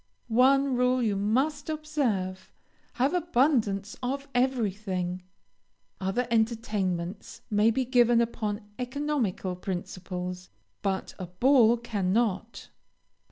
One rule you must observe; have abundance of everything. Other entertainments may be given upon economical principles, but a ball cannot.